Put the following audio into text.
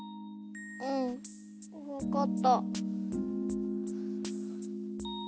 うんわかった。